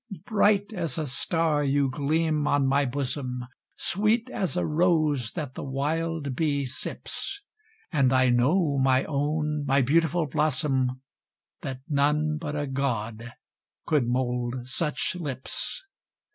Bright as a star you gleam on my bosom, Sweet as a rose that the wild bee sips; And I know, my own, my beautiful blossom, That none but a God could mould such lips.